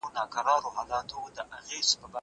که وخت وي، کتابونه وړم!؟